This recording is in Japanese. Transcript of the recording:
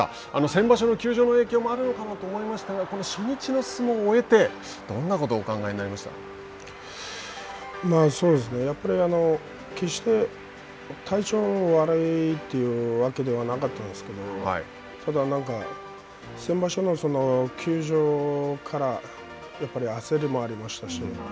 先場所の休場の影響もあるのかなと思いましたけどこの初日の相撲を終えてどんなことをやっぱり決して体調が悪いというわけではなかったんですけどただ先場所の休場から焦りもありましたし